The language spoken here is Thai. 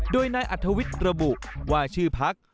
โดยนายอัธวิทย์ระบุว่าชื่อพัก